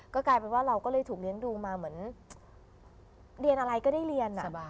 ก็กลายเป็นว่าเราก็เลยถูกเลี้ยงดูมาเหมือนเรียนอะไรก็ได้เรียน